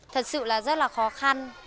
thật sự là rất là khó khăn